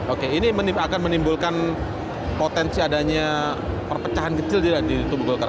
oke ini akan menimbulkan potensi adanya perpecahan kecil tidak di tubuh golkar